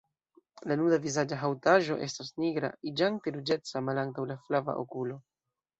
La nuda vizaĝa haŭtaĵo estas nigra, iĝante ruĝeca malantaŭ la flava okulo.